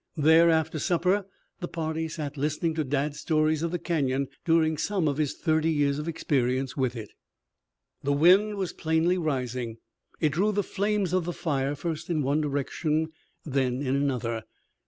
There after supper the party sat listening to Dad's stories of the Canyon during some of his thirty years' experience with it. The wind was plainly rising. It drew the flames of the fire first in one direction, then in another.